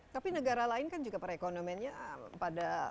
tapi negara lain kan juga perekonomiannya pada turun semua